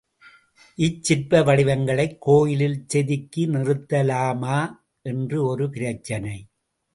இச்சிற்ப வடிவங்களைக் கோயிலில் செதுக்கி நிறுத்தலாமா என்று ஒரு பிரச்சினை.